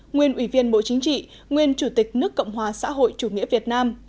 nguyên ủy viên bộ chính trị nguyên chủ tịch nước cộng hòa xã hội chủ nghĩa việt nam